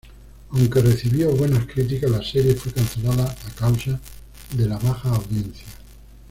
Aunque recibió buenas críticas, la serie fue cancelada a causa de la baja audiencia.